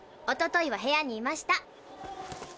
おとといは部屋にいました。